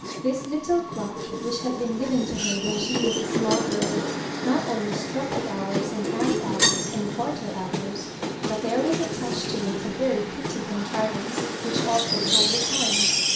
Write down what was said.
This little clock, which had been given to her when she was a small girl, not only struck the hours and half hours and quarter hours, but there was attached to it a very pretty contrivance which also told the time.